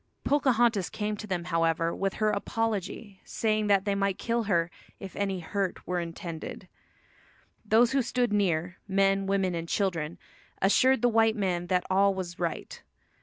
Pocahontas came to them, however, with her apology, saying that they might kill her "if any hurt were intended." Those who stood near, men, women and children, assured the white men that all was right.